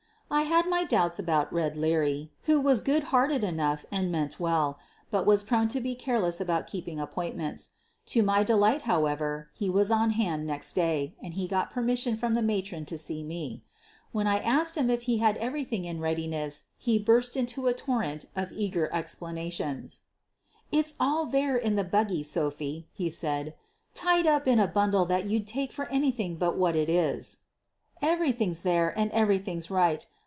I had my doubts about "Red" Leary, who was good hearted enough and meant well, but was prone to be careless about keeping appointments. To my delight, however, he was on hand next day and he got permission from the matron to see me. Wbfc»t 68 SOPHIE LYONS I asked him if he had everything in readiness he burst into a torrent of eager explanations. "It's all out there in the buggy, Sophie," he said, "tied up in a bundle that you'd take for anything but what it is. Everything's there and every thing's right.